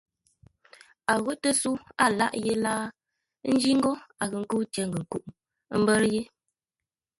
A ghó tə́səu a láʼ yé láa ńjí ńgó a ghʉ nkə́u tyer-ngənkuʼu, ə́ mbə́rə́ yé.